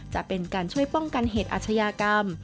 จะเป็นการช่วยป้องกันเหตุอาชญากรรม